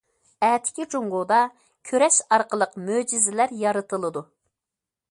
ئەتىكى جۇڭگودا، كۈرەش ئارقىلىق مۆجىزىلەر يارىتىلىدۇ.